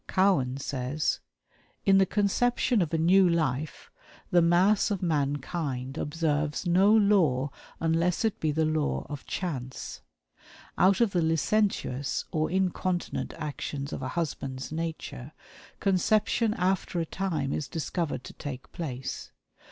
Cowan says: "In the conception of a new life, the mass of mankind observes no law unless it be the law of chance. Out of the licentious or incontinent actions of a husband's nature, conception after a time is discovered to take place.